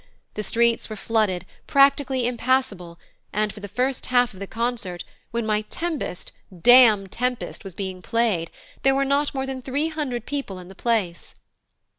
The streets were flooded, practically impassable, and for the first half of the concert when my Tempest, damned Tempest, was being played, there were not more than three hundred people in the place."